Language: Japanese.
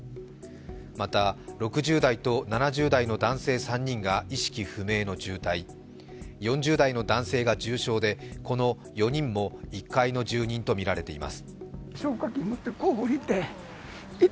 また、６０代と７０代の男性３人が意識不明の重体、４０代の男性が重傷でこの４人も１階の住人とみられています。